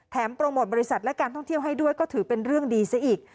โปรโมทบริษัทและการท่องเที่ยวให้ด้วยก็ถือเป็นเรื่องดีซะอีก